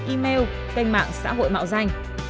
email kênh mạng xã hội mạo danh